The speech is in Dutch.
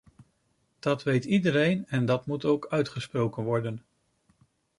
Dat weet iedereen en dat moet ook uitgesproken worden.